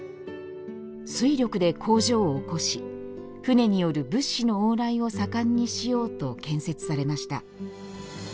水力で工場を興し船による物資の往来を盛んにしようと建設されました。